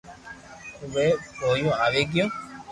اووي ڀوپو آوي گيو